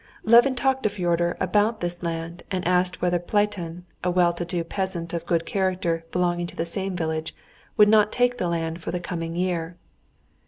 Levin talked to Fyodor about this land and asked whether Platon, a well to do peasant of good character belonging to the same village, would not take the land for the coming year.